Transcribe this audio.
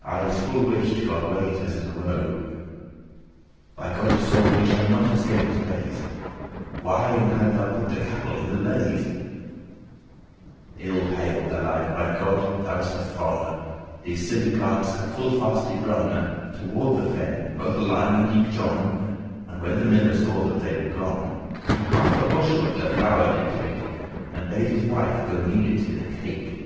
I is full wight*, God wate, as is a roe. *swift knows By Godde's soul he shall not scape us bathe*. *both <13> Why n' had thou put the capel* in the lathe? *horse<14> barn Ill hail, Alein, by God thou is a fonne.*" *fool These silly clerkes have full fast y run Toward the fen, both Alein and eke John; And when the miller saw that they were gone, He half a bushel of their flour did take, And bade his wife go knead it in a cake.